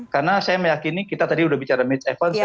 karena saya meyakini kita tadi udah bicara mitch evans